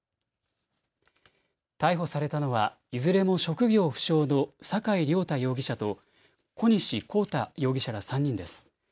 逮捕されたのはいずれも職業不詳の酒井亮太容疑者と小西昴太容疑者ら３人です。